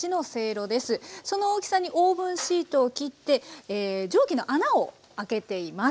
その大きさにオーブンシートを切って蒸気の穴を開けています。